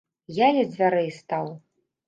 Я ля дзвярэй стаў.